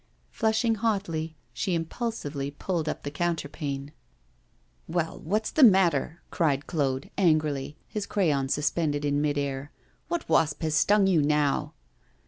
Flushing hotly, she impulsively pulled up the counterpane. 'Well, what's the matter?' cried Claude, angrily, his crayon suspended in mid air; 'what wasp has stung you now?